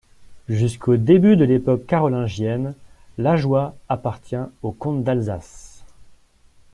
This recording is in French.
Jusqu'au début de l'époque carolingienne, l'Ajoie appartient aux comtes d'Alsace.